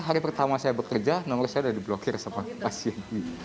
hari pertama saya bekerja nomor saya udah diblokir sama pasien